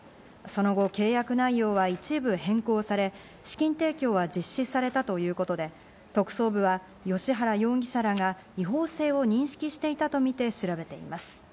その後、契約内容は一部変更され、資金提供は実施されたということで、特捜部は芳原容疑者らが違法性を認識していたとみて調べています。